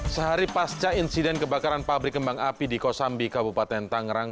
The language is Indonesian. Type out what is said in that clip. sehari pasca insiden kebakaran pabrik kembang api di kosambi kabupaten tangerang